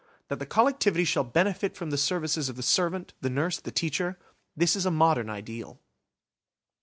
That the collectivity shall benefit from the services of the servant, the nurse, the teacher–this is a modern ideal.